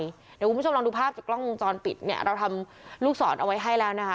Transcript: เดี๋ยวคุณผู้ชมลองดูภาพจากกล้องวงจรปิดเนี่ยเราทำลูกศรเอาไว้ให้แล้วนะคะ